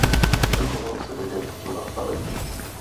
Dochovalo se devět zastavení.